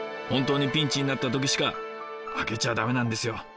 本当にピンチになった時しか開けちゃダメなんですよ。